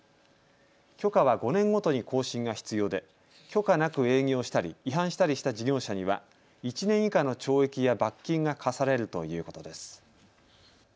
許可は５年ごとに更新が必要で許可なく営業したり、違反したりした事業者には１年以下の懲役や罰金が科されるということです。